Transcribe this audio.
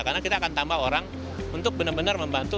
karena kita akan tambah orang untuk benar benar membantu